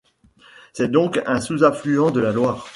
C'est donc un sous-affluent de la Loire.